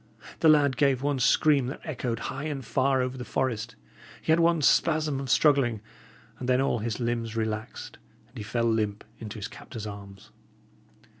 The lad gave one scream that echoed high and far over the forest, he had one spasm of struggling, and then all his limbs relaxed, and he fell limp into his captor's arms.